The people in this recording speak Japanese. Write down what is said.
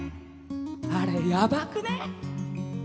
あれやばくね？